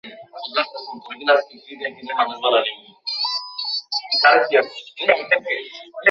নিজেদের বাড়ির সেপটিক ট্যাংকের বিষাক্ত গ্যাসে অসুস্থ হয়ে দুই সহোদরের মৃত্যু হয়েছে।